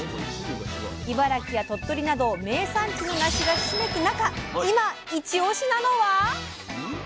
茨城や鳥取など名産地のなしがひしめく中今イチオシなのは？